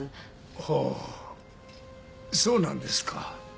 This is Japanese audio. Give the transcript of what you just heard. ほうそうなんですか。